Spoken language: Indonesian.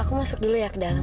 aku masuk dulu ya ke dalam